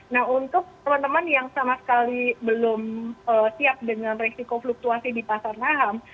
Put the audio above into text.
nah untuk teman teman yang sama sekali belum siap dengan resiko fluktuasi di pasar naham